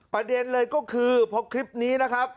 ประเด็นเลยก็คือพอคลิปนี้นะครับ